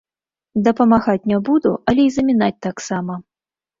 Дапамагаць не буду, але і замінаць таксама.